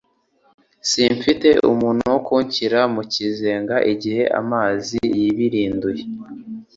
simfite umuntu wo kunshyira mu kizenga igihe amazi yibirinduye